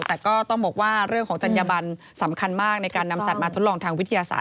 แต่ก็ต้องบอกว่าเรื่องของจัญญบันสำคัญมากในการนำสัตว์มาทดลองทางวิทยาศาส